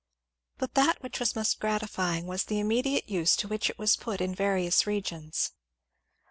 But that which was most gratifying was the immediate use to which it was pot in various regions.